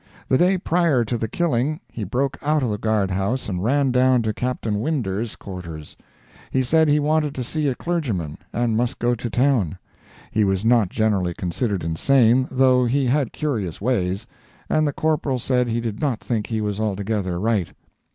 The day prior to the killing he broke out of the guard house and ran down to Captain Winder's quarters. He said he wanted to see a clergyman, and must go to town. He was not generally considered insane, though he had curious ways, and the Corporal said he did not think he was altogether right.